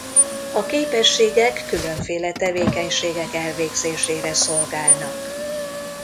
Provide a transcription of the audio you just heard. A képességek különféle tevékenységek elvégzésére szolgálnak.